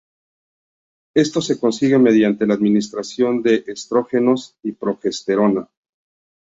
Esto se consigue mediante la administración de estrógenos y progesterona.